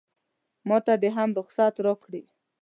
ماته دې هم رخصت راکړي.